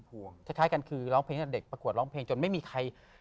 คล้ายกันคือร้องเพลงตั้งแต่เด็กประกวดร้องเพลงจนไม่มีใคร